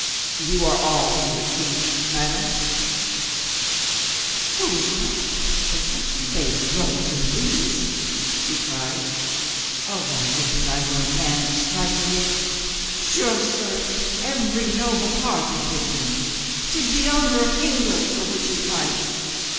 "You are all for the King, madame?" "Who is not but such base rogues as these?" she cried. "Oh, I would that I were a man to strike for him. Sure, sir, every noble heart is with him. 'Tis the honor of England for which he fights.